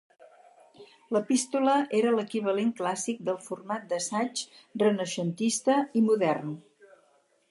L'Epístola era l'equivalent clàssic del format d'assaig renaixentista i modern.